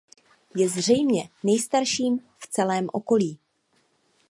Je zřejmě nejstarším v celém okolí.